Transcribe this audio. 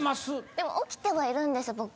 でも起きてはいるんですぼく。